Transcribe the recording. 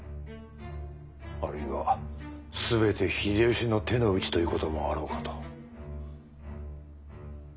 あるいは全て秀吉の手の内ということもあろうかと。